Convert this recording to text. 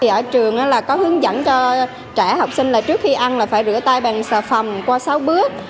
ở trường có hướng dẫn cho trẻ học sinh là trước khi ăn là phải rửa tay bằng sà phầm qua sáu bước